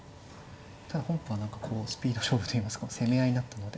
ただ本譜は何かこうスピード勝負といいますか攻め合いになったので。